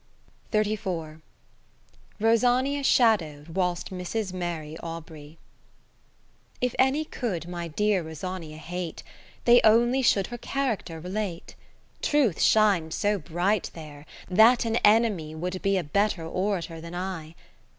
30 Rosania shadowed whilst Mrs. Mary Awbrey If any could my dear Rosania hate, They only should her Character relate. Truth shines so bright there, that an enemy Would be a better orator than I.